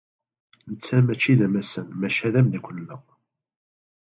Netta maci d amassan, maca d ameddakel-nneɣ.